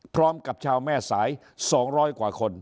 พร้อมกับชาวแม่สาย๒๐๐กว่าคน